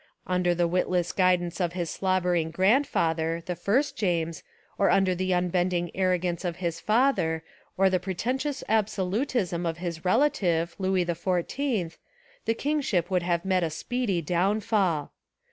Under the witless guidance of his slobbering grandfather, the first James, or under the unbending arrogance of his father, or the pretentious absolutism of his relative, Louis XIV, the kingship would have met a speedy downfall.